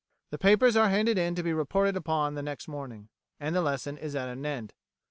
The papers are handed in to be reported upon next morning, and the lesson is at an end."